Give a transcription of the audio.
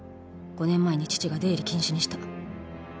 「五年前に父が出入り禁止にした」